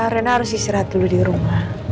rena harus istirahat dulu di rumah